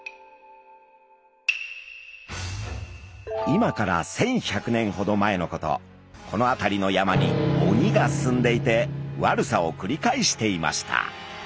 今から１，１００年ほど前のことこの辺りの山に鬼が住んでいて悪さをくり返していました。